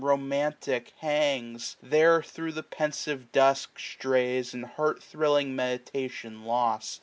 Romantic, hangs ; there thro' the pensive dusk 1025 Strays, in heart thrilling meditation lost.